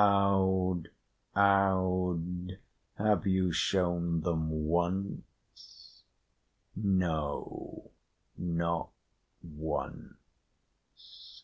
"Aud, Aud, have you shown them once? No, not once!"